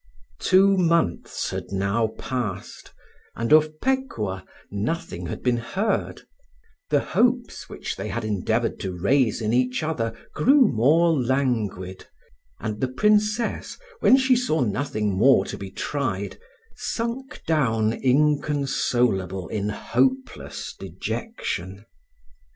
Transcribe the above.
Two months had now passed, and of Pekuah nothing had been heard; the hopes which they had endeavoured to raise in each other grew more languid; and the Princess, when she saw nothing more to be tried, sunk down inconsolable in hopeless dejection.